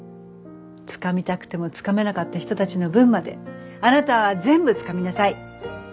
つかみたくてもつかめなかった人たちの分まであなたは全部つかみなさい。